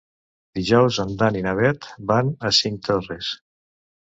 Dijous en Dan i na Bet van a Cinctorres.